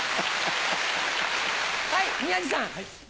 はい宮治さん。